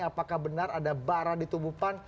apakah benar ada bara di tubuh pan